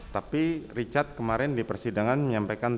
tapi richard kemarin di persidangan menyampaikan